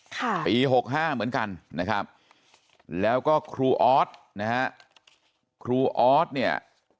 ค่ะปีหกห้าเหมือนกันนะครับแล้วก็ครูออสนะฮะครูออสเนี่ย